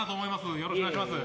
よろしくお願いします。